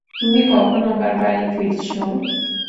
তুমি কখন আবার বাড়ি ফিরছো?